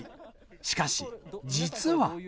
しかし、実は。